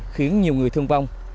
khiến nhiều người thương vong